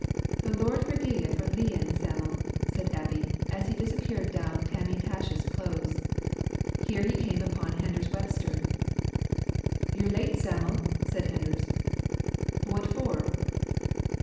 "The Lord forgie ye for leein', Sam'l," said Eppie, as he disappeared down Tammy Tosh's close. Here he came upon Henders Webster. "Ye're late, Sam'l," said Henders. "What for?"